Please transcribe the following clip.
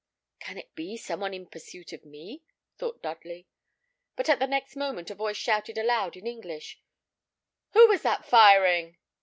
"Can it be some one in pursuit of me?" thought Dudley; but the next moment a voice shouted aloud in English, "Who was that firing?"